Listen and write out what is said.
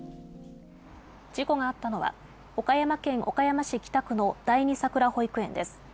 事故があったのは、岡山県岡山市北区の第二さくら保育園です。